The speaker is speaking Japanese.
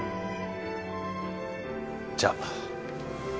じゃあ。